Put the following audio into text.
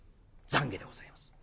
懺悔でございます。